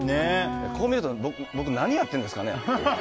こう見ると、僕何やってるんですかね。